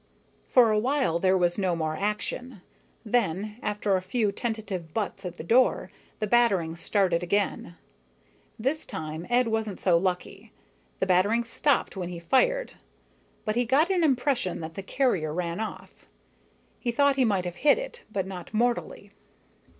For a while there was no more action. Then, after a few tentative butts at the door, the battering started again. This time, Ed wasn't so lucky. The battering stopped when he fired, but he got an impression that the carrier ran off. He thought he might have hit it, but not mortally.